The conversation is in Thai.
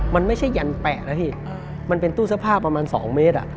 มันไม่ใช่ยันแปะนะพี่มันเป็นตู้เสื้อผ้าประมาณ๒เมตร